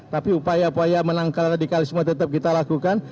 tapi upaya upaya menangkal radikalisme tetap kita lakukan